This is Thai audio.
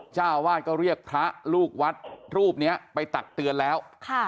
เจ้าวาดก็เรียกพระลูกวัดรูปนี้ไปตักเตือนแล้ว